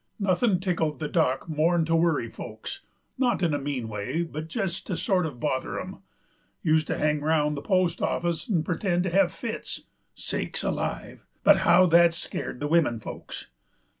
Nothin' tickled the Dock more 'n to worry folks, not in a mean way, but jest to sort uv bother 'em. Used to hang round the post office 'nd pertend to have fits, sakes alive! but how that scared the wimmin folks.